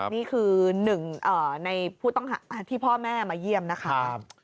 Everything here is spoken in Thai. นี่คือหนึ่งในผู้ต้องหาที่พ่อแม่มาเยี่ยมนะคะ